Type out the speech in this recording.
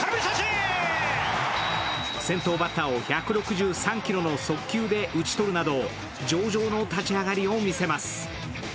先頭バッターを１６３キロの速球で打ち取るなど上々の立ち上がりを見せます。